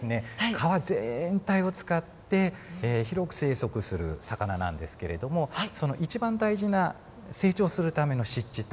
川全体を使って広く生息する魚なんですけれども一番大事な成長するための湿地帯